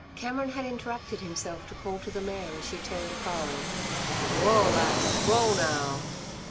Cameron had interrupted himself to call to the mare as she turned a furrow: "Whoa, Lass! Whoa now!"